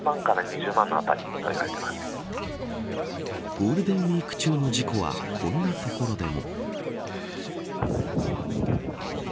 ゴールデンウイーク中の事故はこんな所でも。